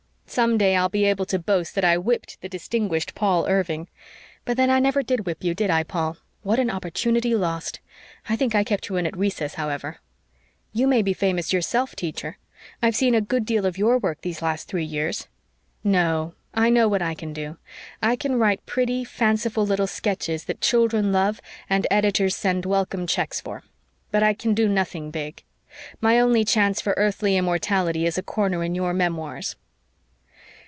Some day I'll be able to boast that I whipped the distinguished Paul Irving. But then I never did whip you, did I, Paul? What an opportunity lost! I think I kept you in at recess, however." "You may be famous yourself, Teacher. I've seen a good deal of your work these last three years." "No. I know what I can do. I can write pretty, fanciful little sketches that children love and editors send welcome cheques for. But I can do nothing big. My only chance for earthly immortality is a corner in your Memoirs."